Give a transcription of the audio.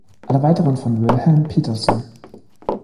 Alle weiteren von Wilhelm Petersen.